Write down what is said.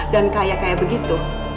dan kaya kaya begitu